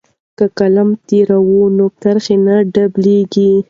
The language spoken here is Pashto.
که قلم تیره وي نو کرښه نه ډبلیږي.